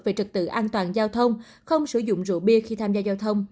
về trật tự an toàn giao thông không sử dụng rượu bia khi tham gia giao thông